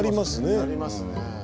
なりますね。